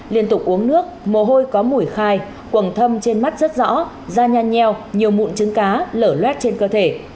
liên tục uống nước mồ hôi có mùi khai quầng thâm trên mắt rất rõ da nhanh nheo nhiều mụn trứng cá lở loét trên cơ thể